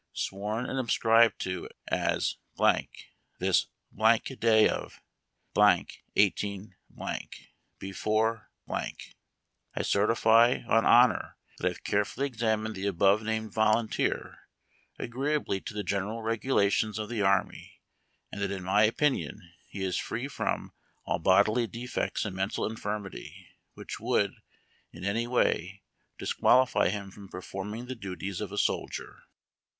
Sworn and subscribed to, at "^ this day of 18 ,'■ Befork ) I GER TIFY, OX HONOR, That I have carefully examined the above named Voluuteer, agreeably to the General Regulations of the Army, and that in my opinion he is free from all bodily defects and mental infirmity, which would, in any way, disqualify him from performing the duties of a soldier.